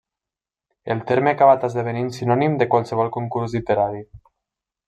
El terme ha acabat esdevenint sinònim de qualsevol concurs literari.